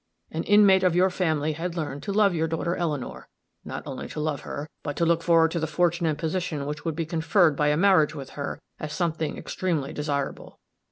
An inmate of your family had learned to love your daughter Eleanor not only to love her, but to look forward to the fortune and position which would be conferred by a marriage with her as something extremely desirable.